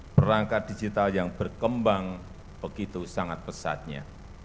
perangkat digital yang berkembang begitu sangat pesatnya